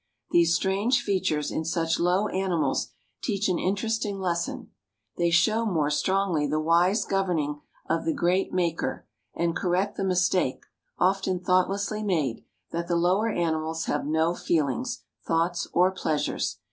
These strange features in such low animals teach an interesting lesson: they show more strongly the wise governing of the great Maker, and correct the mistake, often thoughtlessly made, that the lower animals have no feelings, thoughts, or pleasures.